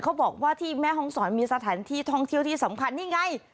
เขาบอกว่าที่แม่ห้องศรมีสถานที่ท่องเที่ยวที่สำคัญนี่ไง